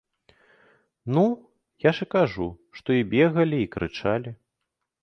Ну, я ж і кажу, што і бегалі, і крычалі.